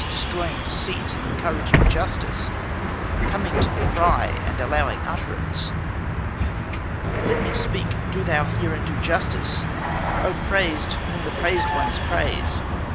Destroying deceit, encouraging justice; Coming to the cry, and allowing utterance. Let me speak, do thou hear and do justice; O praised! whom the praised ones praise.